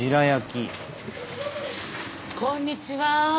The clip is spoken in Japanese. こんにちは。